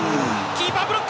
キーパー、ブロック。